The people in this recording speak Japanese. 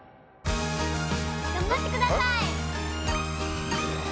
がんばってください！